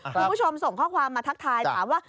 คุณผู้ชมส่งข้อความมาทักทายถามว่า